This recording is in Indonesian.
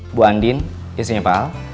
ibu andin istrinya paal